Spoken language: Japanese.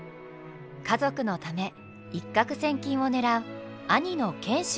家族のため一獲千金を狙う兄の賢秀。